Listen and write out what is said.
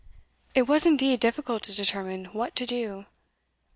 It was, indeed, difficult to determine what to do.